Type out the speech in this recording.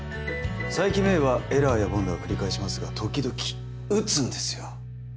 佐伯芽依はエラーや凡打を繰り返しますが時々打つんですよ。